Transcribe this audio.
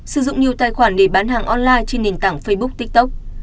sử dụng nhiều tài khoản để bán hàng online trên nền tảng facebook tiktok